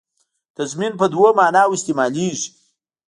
تضمین په دوو معناوو استعمالېږي.